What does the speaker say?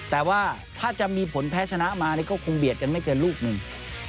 แต่ว่าถ้าจะมีผลแพ้ชนะมาก็คงเบียดกันไม่เกินลูกหนึ่ง